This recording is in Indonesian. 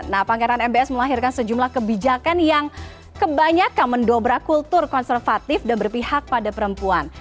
nah pangeran mbs melahirkan sejumlah kebijakan yang kebanyakan mendobrak kultur konservatif dan berpihak pada perempuan